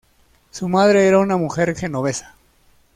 Su madre era una mujer genovesa.